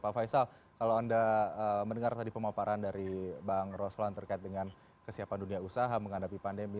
pak faisal kalau anda mendengar tadi pemaparan dari bang roslan terkait dengan kesiapan dunia usaha menghadapi pandemi